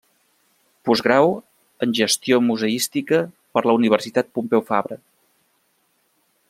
Postgrau en Gestió Museística per la Universitat Pompeu Fabra.